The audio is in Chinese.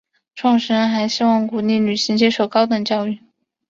创始人还希望鼓励女性接受高等教育。